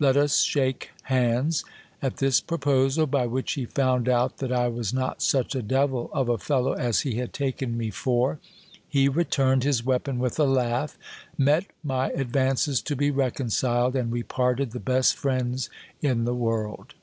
I,et us shake hands. At this proposal, by which he found out that I was not such a devil of a fellow as he had taken me GIL BLAS. for, he returned his weapon with a laugh, met my advances to be reconciled, and we parted the best friends in the world.